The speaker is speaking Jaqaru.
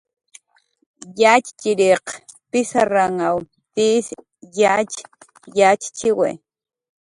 Yatxchiriq pizarranw tizn yatx yatxchiwi